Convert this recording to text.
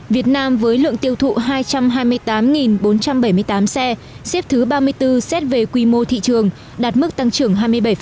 việt nam với lượng tiêu thụ hai trăm hai mươi tám bốn trăm bảy mươi tám xe xếp thứ ba mươi bốn xét về quy mô thị trường đạt mức tăng trưởng hai mươi bảy